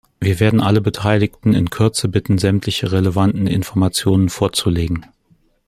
Wir werden alle Beteiligten in Kürze bitten, sämtliche relevanten Informationen vorzulegen.